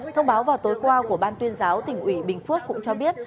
thông báo vào tối qua của ban tuyên giáo tỉnh ủy bình phước cũng cho biết